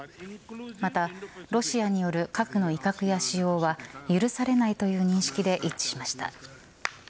またロシアによる核の威嚇や使用は許されないとの認識で一致しました。